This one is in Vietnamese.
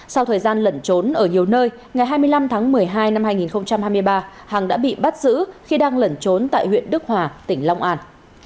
sau thời gian lẩn trốn ở nhiều nơi ngày hai mươi năm tháng một mươi hai năm hai nghìn hai mươi ba hằng đã bị bắt giữ khi đang lẩn trốn tại huyện đức hòa tỉnh long an